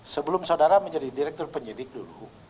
sebelum saudara menjadi direktur penyidik dulu